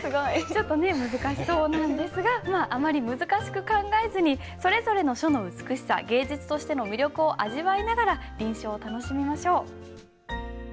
ちょっとね難しそうなんですがまああまり難しく考えずにそれぞれの書の美しさ芸術としての魅力を味わいながら臨書を楽しみましょう。